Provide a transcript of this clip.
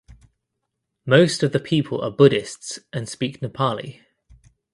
Most of the people are Buddhists and speak Nepali.